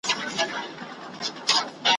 نور به لاس تر غاړي پکښی ګرځو بې پروا به سو ,